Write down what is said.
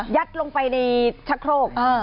ลงไปในชะโครก